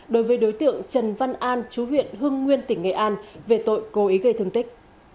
đối với đối tượng trần văn an chú huyện hưng nguyên tỉnh nghệ an về tội cố ý gây thương tích